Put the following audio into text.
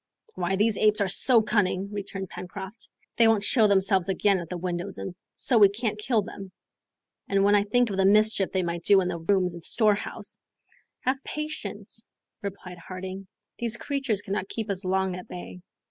"Why, these apes are so cunning," returned Pencroft; "they won't show themselves again at the windows and so we can't kill them; and when I think of the mischief they may do in the rooms and storehouse " "Have patience," replied Harding; "these creatures cannot keep us long at bay."